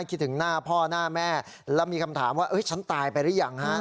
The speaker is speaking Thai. คิดถึงหน้าพ่อหน้าแม่แล้วมีคำถามว่าฉันตายไปหรือยังฮะ